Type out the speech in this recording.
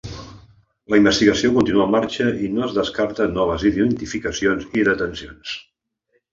La investigació continua en marxa i no es descarta noves identificacions i detencions.